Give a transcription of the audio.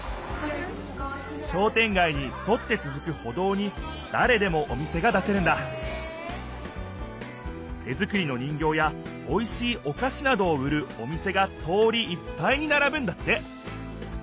商店街にそってつづく歩道にだれでもお店が出せるんだ手作りの人形やおいしいおかしなどを売るお店が通りいっぱいにならぶんだって。